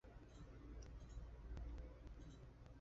维港投资主要管理人员包括周凯旋和张培薇。